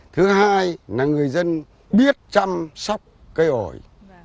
thứ hai là người dân biết chăm sóc cây ổi